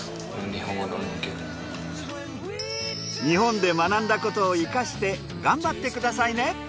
日本で学んだことを生かして頑張ってくださいね。